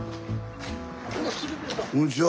こんにちは。